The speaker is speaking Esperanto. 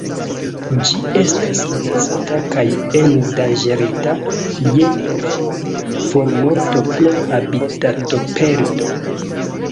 Ĝi estas minacata kaj endanĝerita je formorto pro habitatoperdo.